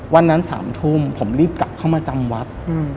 วันนั้น๓ทุ่มผมรีบกลับเข้ามาจำวัด